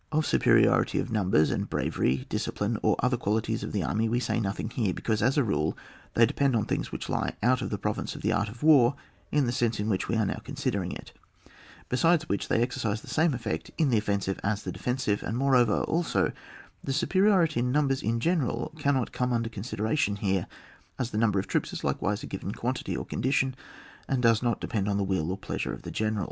Of superiority of numbers, and bravery, dfiscipline, or other qualities of an army, we say nothing here, because, as a rule, they depend on things which lie out of the province of the art of war in the sense in which we are now considering it ; be sides which they exercise the same effect in the offensive as the defensive ; and, moreover also, the superiority in numbers %n general cannot come under consideration here, as the number of troops is likewise a given quantity or condition, and does not depend on the will or pleasure of the gener^.